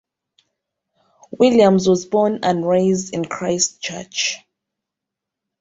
Williams was born and raised in Christchurch.